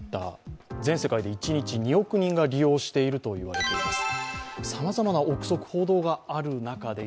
全世界で一日２億人が利用しているとされています。